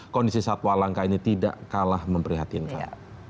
kondisi satwa langka ini tidak kalah memprihatinkan